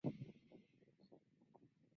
其个人倾向于支持本土立场。